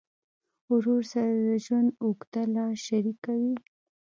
ورور سره د ژوند اوږده لار شریکه وي.